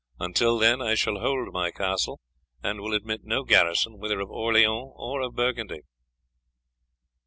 Until then I shall hold my castle, and will admit no garrison whether of Orleans or of Burgundy."